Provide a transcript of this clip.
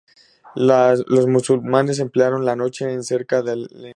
Los musulmanes emplearon la noche en cercar al enemigo.